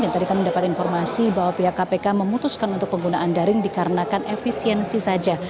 dan tadi kami mendapat informasi bahwa pihak kpk memutuskan untuk penggunaan daring dikarenakan efisiensi saja